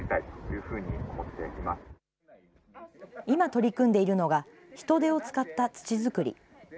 今取り組んでいるのが、ヒトデを使った土作り。